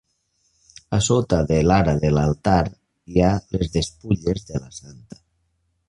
A sota de l'ara de l'altar, hi ha les despulles de la Santa.